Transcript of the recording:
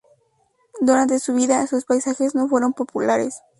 Durante su vida, sus paisajes no fueron populares.